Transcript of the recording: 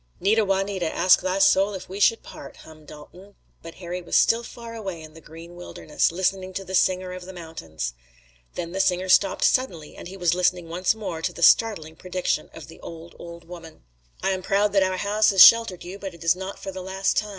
"Nita, Juanita! Ask thy soul if we should part," hummed Dalton, but Harry was still far away in the green wilderness, listening to the singer of the mountains. Then the singer stopped suddenly, and he was listening once more to the startling prediction of the old, old woman: "I am proud that our house has sheltered you, but it is not for the last time.